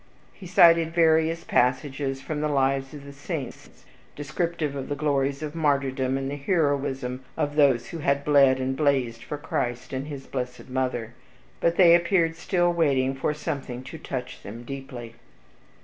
He cited various passages from the lives of the saints, descriptive of the glories of martyrdom, and the heroism of those who had bled and blazed for Christ and his blessed mother, but they appeared still waiting for something to touch them more deeply.